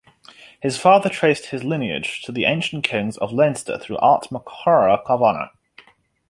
His father traced his lineage to the ancient Kings of Leinster through Art MacMurrough-Kavanagh.